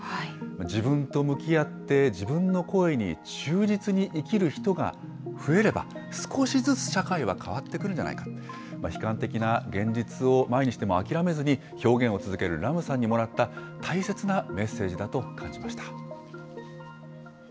自分と向き合って、自分の声に忠実に生きる人が増えれば、少しずつ社会は変わっていくんじゃないか、悲観的な現実を前にしても諦めずに、表現を続けるラムさんにもらった大切なメッセージだと感じました。